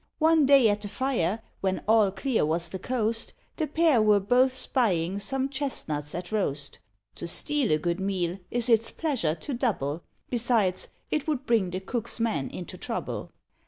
One day at the fire, when all clear was the coast, The pair were both spying some chesnuts at roast: To steal a good meal is its pleasure to double; Besides, it would bring the cook's man into trouble.